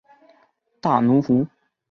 大奴湖。